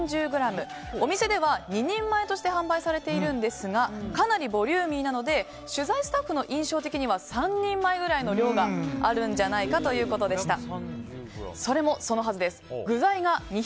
お店では２人前として販売されているんですがかなりボリューミーなので取材スタッフの印象的には３人前くらいの量があるんじゃないかということです。